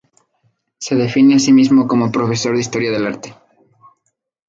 Se define a sí mismo como "profesor de Historia del Arte.